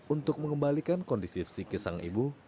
untuk mengembalikan kondisi psikis sang ibu